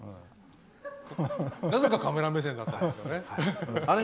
なぜかカメラ目線だったんですよね。